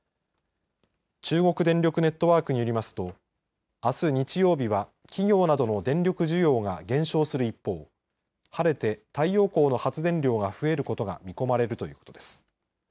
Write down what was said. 中国電力ネットワークによりますとあす日曜日は企業などの電力需要が減少する一方晴れて太陽光の発電量が増えることが見込まれるということです。